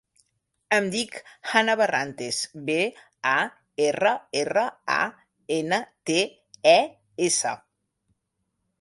Em dic Hannah Barrantes: be, a, erra, erra, a, ena, te, e, essa.